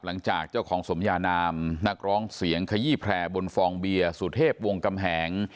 หลังจากเจ้าของสมยานามนักร้องเสียงขยี้แพร่บนฟองเบียร์สุเทพวงกำแหง